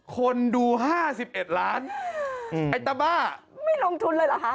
คนดูห้าสิบเอ็ดล้านไอตะบ้าไม่ลงทุนเลยเหรอฮะ